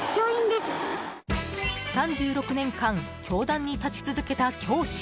３６年間教壇に立ち続けた教師。